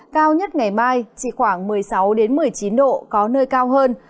cao nhất ngày mai chỉ khoảng một mươi sáu một mươi chín độ có nơi cao hơn